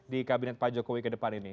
di kabinet pak jokowi kedepan ini